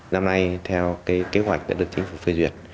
năm nay theo kế hoạch đã được chính phủ phê duyệt